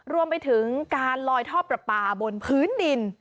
รวมไปถึงการลอยท่อประปาบนพื้นดิน